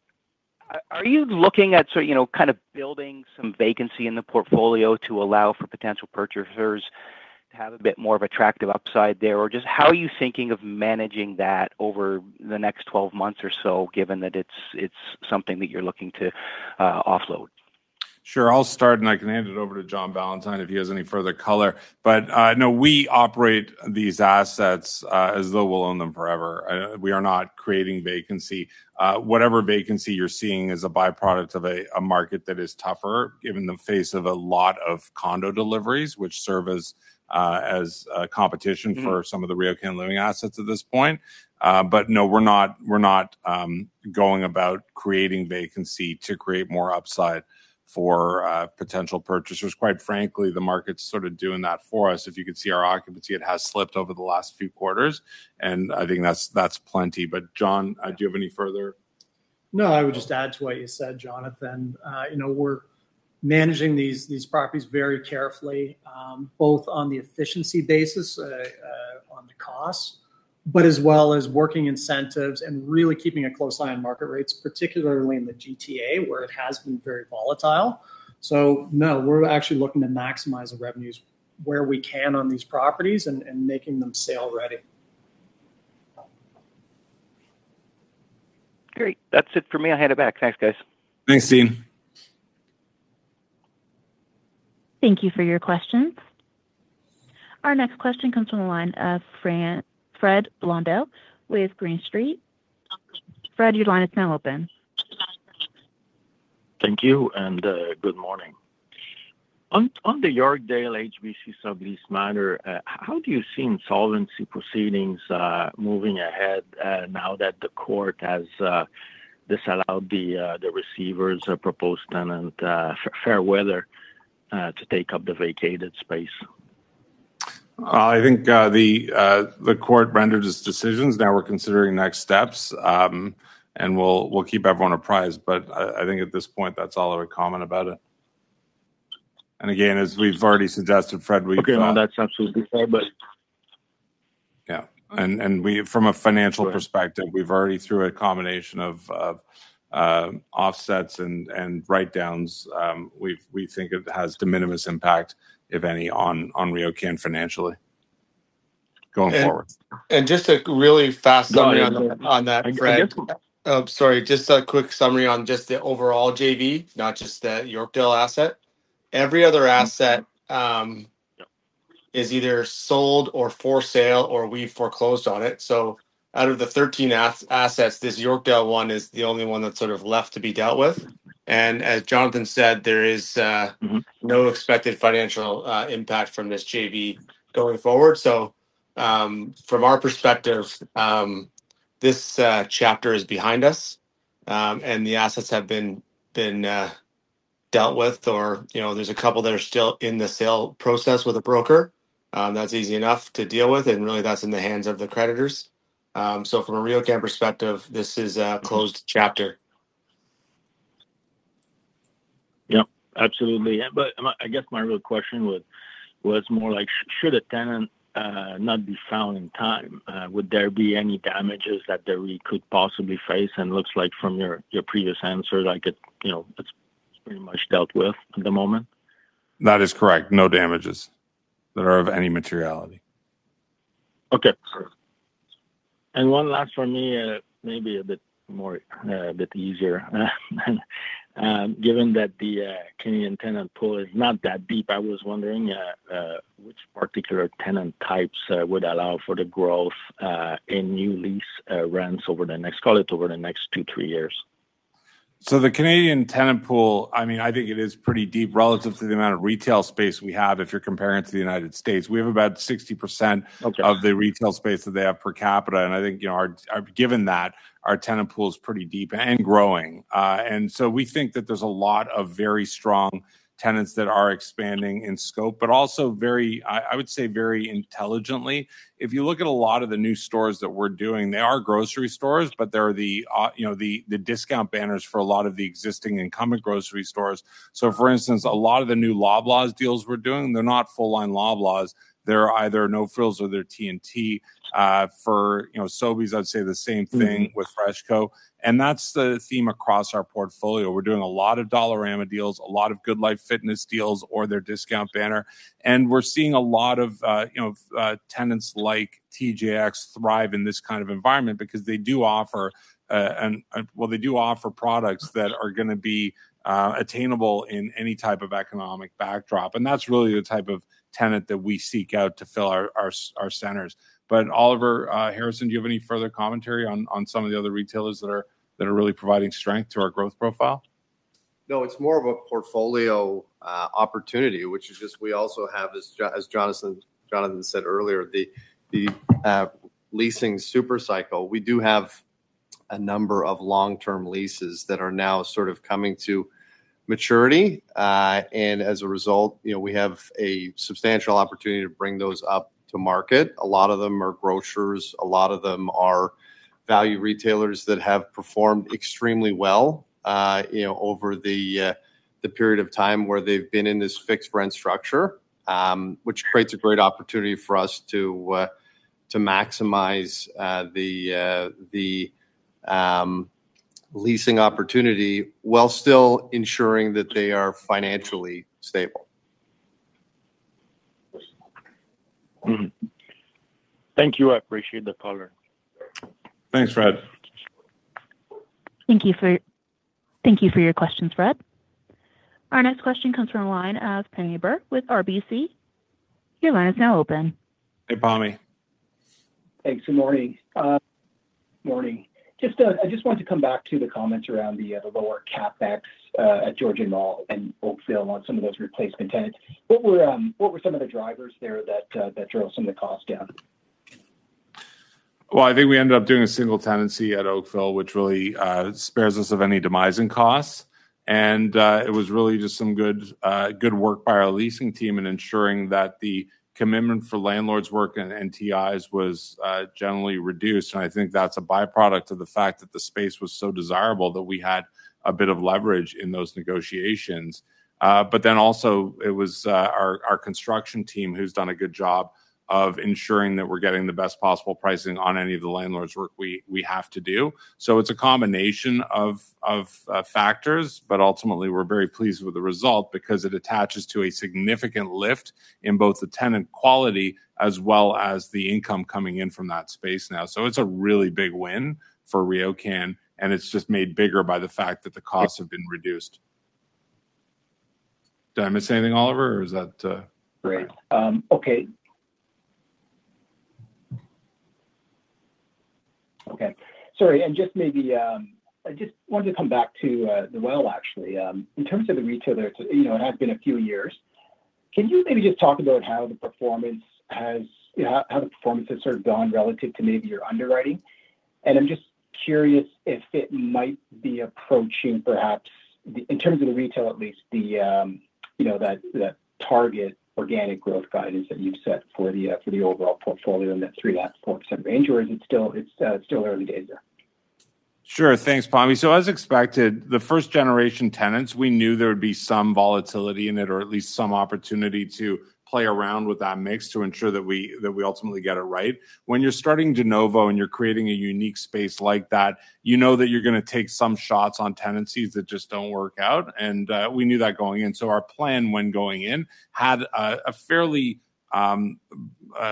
Are you looking at sort, you know, kind of building some vacancy in the portfolio to allow for potential purchasers to have a bit more of attractive upside there? Or just how are you thinking of managing that over the next 12 months or so, given that it's something that you're looking to offload? Sure, I'll start, and I can hand it over to John Ballantyne if he has any further color. But, no, we operate these assets as though we'll own them forever. We are not creating vacancy. Whatever vacancy you're seeing is a by-product of a market that is tougher, given the face of a lot of condo deliveries, which serve as competition- Mm-hmm For some of the RioCan Living assets at this point. But no, we're not, we're not going about creating vacancy to create more upside for potential purchasers. Quite frankly, the market's sort of doing that for us. If you could see our occupancy, it has slipped over the last few quarters, and I think that's plenty. But John, do you have any further? No, I would just add to what you said, Jonathan. You know, we're managing these, these properties very carefully, both on the efficiency basis, on the cost, but as well as working incentives and really keeping a close eye on market rates, particularly in the GTA, where it has been very volatile. So no, we're actually looking to maximize the revenues where we can on these properties and making them sale-ready. Great. That's it for me. I'll hand it back. Thanks, guys. Thanks, Dean. Thank you for your questions. Our next question comes from the line of Fred Blondeau with Green Street. Fred, your line is now open. Thank you, and good morning. On the Yorkdale HBC sublease matter, how do you see insolvency proceedings moving ahead now that the court has disallowed the receivers' proposed tenant, Fairweather, to take up the vacated space? I think the court rendered its decisions. Now we're considering next steps, and we'll keep everyone apprised. But I think at this point, that's all I would comment about it. And again, as we've already suggested, Fred, we've Okay, no, that's absolutely fair. But- Yeah, and we, from a financial perspective, we've already, through a combination of offsets and write-downs, we think it has de minimis impact, if any, on RioCan financially going forward. And just a really fast summary on that, Fred. Go ahead. Sorry, just a quick summary on just the overall JV, not just the Yorkdale asset. Yep Is either sold or for sale, or we've foreclosed on it. So out of the 13 assets, this Yorkdale one is the only one that's sort of left to be dealt with. And as Jonathan said, there is Mm-hmm No expected financial impact from this JV going forward. So, from our perspective, this chapter is behind us, and the assets have been dealt with or, you know, there's a couple that are still in the sale process with a broker. That's easy enough to deal with, and really, that's in the hands of the creditors. So from a RioCan perspective, this is a closed chapter. Yep, absolutely. But I, I guess my real question was, was more like, should a tenant not be found in time, would there be any damages that the REIT could possibly face? And looks like from your, your previous answers, like it, you know, it's pretty much dealt with at the moment. That is correct. No damages that are of any materiality. Okay. And one last from me, maybe a bit more, a bit easier. Given that the Canadian tenant pool is not that deep, I was wondering, which particular tenant types would allow for the growth in new lease rents over the next, call it, over the next two to three years? So the Canadian tenant pool, I mean, I think it is pretty deep relative to the amount of retail space we have if you're comparing it to the United States. We have about 60%- Okay Of the retail space that they have per capita, and I think, you know, our, given that, our tenant pool is pretty deep and growing. And so we think that there's a lot of very strong tenants that are expanding in scope, but also very, I would say, very intelligently. If you look at a lot of the new stores that we're doing, they are grocery stores, but they're the, you know, the discount banners for a lot of the existing incumbent grocery stores. So, for instance, a lot of the new Loblaws deals we're doing, they're not full-line Loblaws. They're either No Frills or they're T&T. For, you know, Sobeys, I'd say the same thing. Mm-hmm With FreshCo, and that's the theme across our portfolio. We're doing a lot of Dollarama deals, a lot of GoodLife Fitness deals or their discount banner, and we're seeing a lot of, you know, tenants like TJX thrive in this kind of environment because they do offer, and, well, they do offer products that are gonna be attainable in any type of economic backdrop, and that's really the type of tenant that we seek out to fill our centers. But Oliver Harrison, do you have any further commentary on some of the other retailers that are really providing strength to our growth profile? No, it's more of a portfolio opportunity, which is just we also have, as Jonathan said earlier, the leasing super cycle. We do have a number of long-term leases that are now sort of coming to maturity. And as a result, you know, we have a substantial opportunity to bring those up to market. A lot of them are grocers, a lot of them are value retailers that have performed extremely well, you know, over the leasing opportunity while still ensuring that they are financially stable. Mm-hmm. Thank you. I appreciate the call. Thanks, Fred. Thank you for your questions, Fred. Our next question comes from the line of Pammi Bir with RBC. Your line is now open. Hey, Pammi. Thanks, good morning. Morning. Just, I just wanted to come back to the comments around the lower CapEx at Georgian Mall and Oakville on some of those replacement tenants. What were some of the drivers there that drove some of the costs down? Well, I think we ended up doing a single tenancy at Oakville, which really spares us of any demising costs. And it was really just some good work by our leasing team in ensuring that the commitment for landlord's work and TIs was generally reduced. And I think that's a by-product of the fact that the space was so desirable that we had a bit of leverage in those negotiations. But then also it was our construction team who's done a good job of ensuring that we're getting the best possible pricing on any of the landlord's work we have to do. So it's a combination of factors, but ultimately, we're very pleased with the result because it attaches to a significant lift in both the tenant quality as well as the income coming in from that space now. It's a really big win for RioCan, and it's just made bigger by the fact that the costs have been reduced. Did I miss anything, Oliver, or is that? Great. Okay. Okay, sorry, and just maybe, I just wanted to come back to, The Well, actually. In terms of the retailer, you know, it has been a few years. Can you maybe just talk about how the performance has, you know, how the performance has sort of gone relative to maybe your underwriting? And I'm just curious if it might be approaching, perhaps, in terms of the retail, at least, the, you know, that target organic growth guidance that you've set for the, for the overall portfolio in that 3%-4% range, or is it still, it's, still early days there? Sure. Thanks, Pammi. So as expected, the first generation tenants, we knew there would be some volatility in it, or at least some opportunity to play around with that mix to ensure that we ultimately get it right. When you're starting de novo and you're creating a unique space like that, you know that you're gonna take some shots on tenancies that just don't work out, and we knew that going in. So our plan when going in had a fairly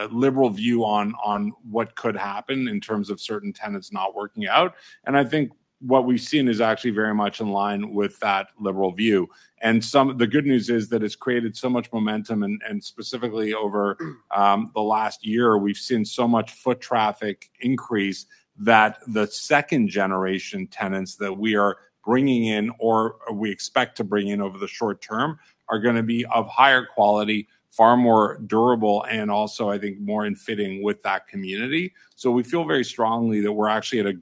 liberal view on what could happen in terms of certain tenants not working out. And I think what we've seen is actually very much in line with that liberal view. The good news is that it's created so much momentum, and specifically over the last year, we've seen so much foot traffic increase that the second generation tenants that we are bringing in or we expect to bring in over the short term are gonna be of higher quality, far more durable, and also, I think, more in fitting with that community. So we feel very strongly that we're actually at a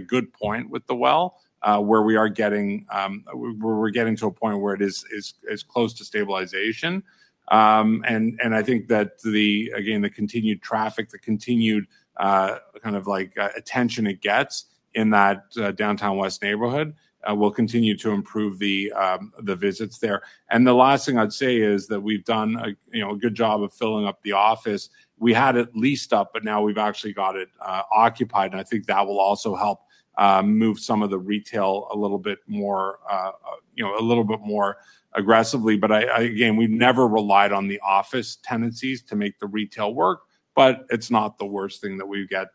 good point with The Well, where we're getting to a point where it is close to stabilization. And I think that the again, the continued traffic, the continued kind of like attention it gets in that downtown West neighborhood will continue to improve the visits there. The last thing I'd say is that we've done a, you know, a good job of filling up the office. We had it leased up, but now we've actually got it occupied, and I think that will also help move some of the retail a little bit more you know a little bit more aggressively. Again, we've never relied on the office tenancies to make the retail work, but it's not the worst thing that we get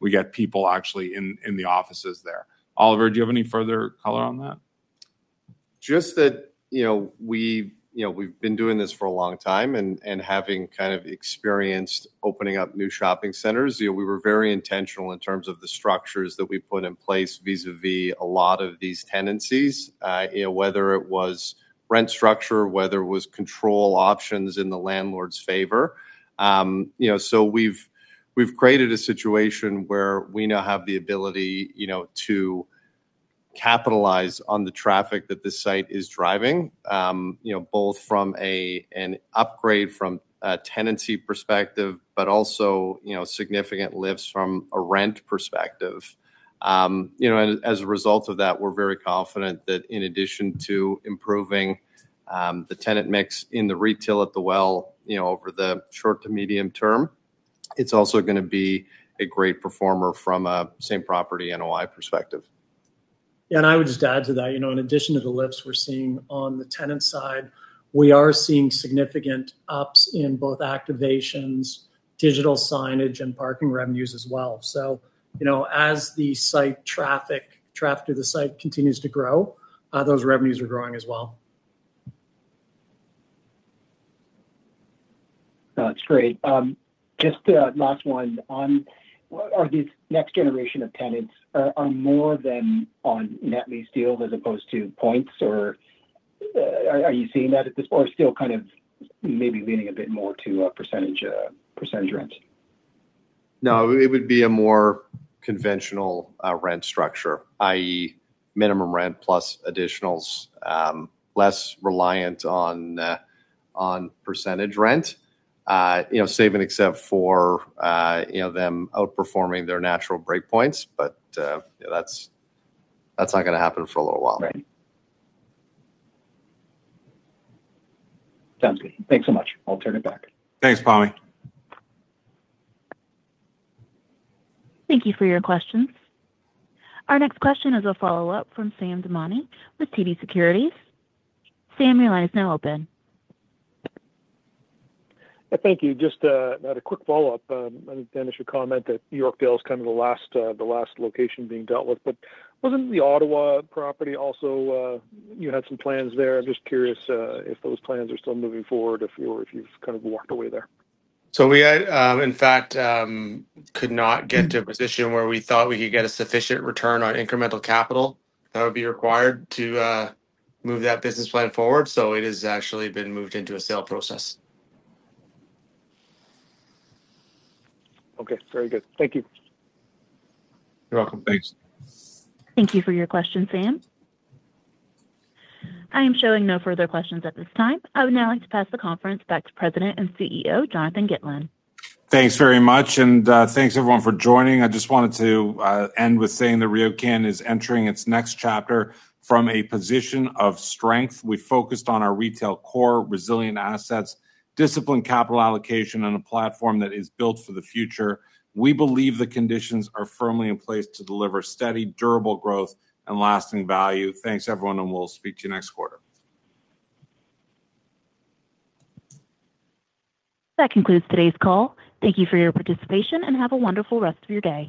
we get people actually in the offices there. Oliver, do you have any further color on that? Just that, you know, we've, you know, we've been doing this for a long time and, and having kind of experienced opening up new shopping centers, you know, we were very intentional in terms of the structures that we put in place vis-à-vis a lot of these tenancies. You know, whether it was rent structure, whether it was control options in the landlord's favor. You know, so we've, we've created a situation where we now have the ability, you know, to capitalize on the traffic that this site is driving. You know, both from a, an upgrade from a tenancy perspective, but also, you know, significant lifts from a rent perspective. You know, and as a result of that, we're very confident that in addition to improving the tenant mix in the retail at The Well, you know, over the short to medium term, it's also gonna be a great performer from a Same Property NOI perspective. I would just add to that. You know, in addition to the lifts we're seeing on the tenant side, we are seeing significant ups in both activations, digital signage, and parking revenues as well. So, you know, as the site traffic, traffic to the site continues to grow, those revenues are growing as well. That's great. Just a last one. Are these next generation of tenants more on net lease deals as opposed to points? Or, are you seeing that at this, or still kind of maybe leaning a bit more to a percentage percentage rent? No, it would be a more conventional rent structure, i.e., minimum rent plus additionals, less reliant on percentage rent. You know, save and except for, you know, them outperforming their natural break points, but, yeah, that's not gonna happen for a little while. Right. Sounds good. Thanks so much. I'll turn it back. Thanks, Pammi. Thank you for your questions. Our next question is a follow-up from Sam Damiani with TD Securities. Sam, your line is now open. Yeah, thank you. Just had a quick follow-up. Dennis, your comment that Yorkdale is kind of the last, the last location being dealt with, but wasn't the Ottawa property also you had some plans there. I'm just curious if those plans are still moving forward, or if you've kind of walked away there. So we, in fact, could not get to a position where we thought we could get a sufficient return on incremental capital that would be required to move that business plan forward. So it has actually been moved into a sale process. Okay, very good. Thank you. You're welcome. Thanks. Thank you for your question, Sam. I am showing no further questions at this time. I would now like to pass the conference back to President and CEO, Jonathan Gitlin. Thanks very much, and thanks, everyone, for joining. I just wanted to end with saying that RioCan is entering its next chapter from a position of strength. We focused on our retail core, resilient assets, disciplined capital allocation on a platform that is built for the future. We believe the conditions are firmly in place to deliver steady, durable growth and lasting value. Thanks, everyone, and we'll speak to you next quarter. That concludes today's call. Thank you for your participation, and have a wonderful rest of your day.